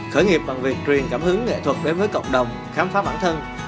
khởi nghiệp bằng việc truyền cảm hứng nghệ thuật đến với cộng đồng khám phá bản thân